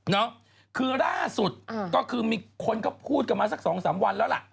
เนอะคือล่าสุดก็คือมีคนก็พูดกลับมาสัก๒๓วันแล้วล่ะ